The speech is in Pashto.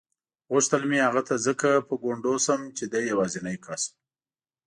غوښتل مې هغه ته ځکه په ګونډو شم چې دی یوازینی کس و.